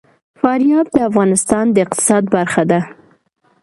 فاریاب د افغانستان د اقتصاد برخه ده.